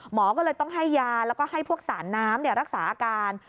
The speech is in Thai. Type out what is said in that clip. หมอก็เลยต้องให้ยาแล้วก็ให้พวกสารน้ำรักษาอาการ